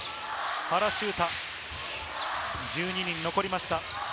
原修太、１２人に残りました。